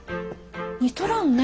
似とらんね。